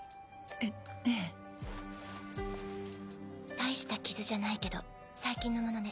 大した傷じゃないけど最近のものね。